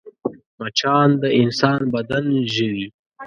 مچان د انسان بدن ژوي